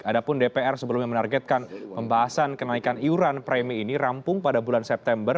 adapun dpr sebelumnya menargetkan pembahasan kenaikan iuran premi ini rampung pada bulan september